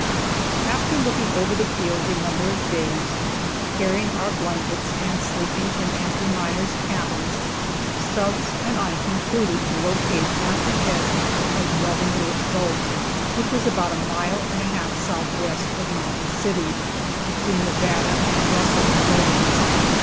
After looking over the fields a number of days, carrying our blankets and sleeping in empty miners' cabins, Stubbs and I concluded to locate at the head of Leavenworth gulch, which was about a mile and a half southwest of Mountain City, between Nevada and Russell's gulches.